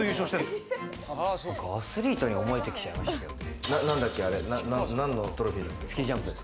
アスリートに思えてきちゃいましたよね。